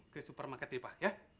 ke supermarket tripak ya